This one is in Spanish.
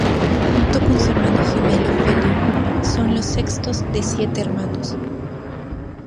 Junto con su hermano gemelo Feliu, son los sextos de siete hermanos.